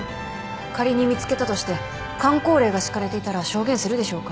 仮に見つけたとしてかん口令が敷かれていたら証言するでしょうか。